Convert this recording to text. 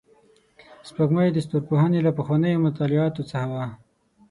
سپوږمۍ د ستورپوهنې له پخوانیو مطالعاتو څخه وه